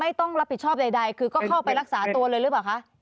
ต้องรับผิดชอบใดคือก็เข้าไปรักษาตัวเลยหรือเปล่าคะ